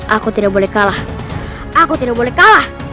aku tidak boleh kalah aku tidak boleh kalah